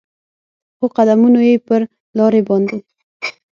خو قدمونو یې پر لارې باندې